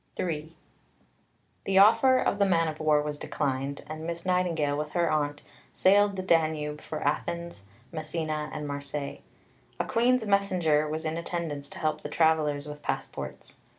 III The offer of the man of war was declined; and Miss Nightingale, with her aunt, sailed in the Danube for Athens, Messina, and Marseilles. A Queen's messenger was in attendance to help the travellers with passports.